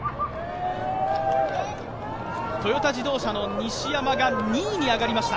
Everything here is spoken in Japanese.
トヨタ自動車の西山が２位に上がりました。